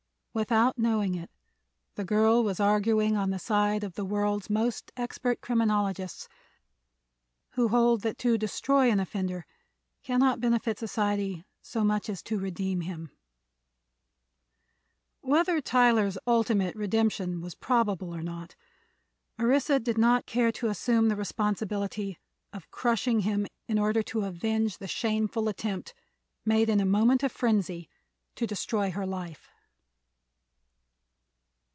Without knowing it the girl was arguing on the side of the world's most expert criminologists, who hold that to destroy an offender cannot benefit society so much as to redeem him. Whether Tyler's ultimate redemption was probable or not, Orissa did not care to assume the responsibility of crushing him in order to avenge the shameful attempt, made in a moment of frenzy, to destroy her life.